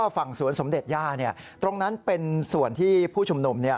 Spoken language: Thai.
ฝั่งสวนสมเด็จย่าตรงนั้นเป็นส่วนที่ผู้ชุมนุม